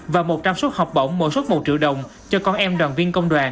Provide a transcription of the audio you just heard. và một trăm linh suất học bổng mỗi suất một triệu đồng cho con em đoàn viên công đoàn